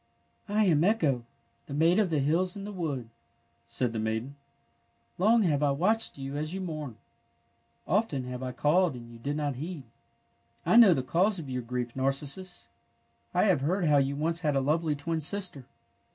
'' I am Echo, the maid of the hills and the wood," said the maiden. '^ Long have I watched you as you mourned. Often have I called and you did not heed. '' I know the cause of your grief, Narcissus. I have heard how you once had a lovely twin sister.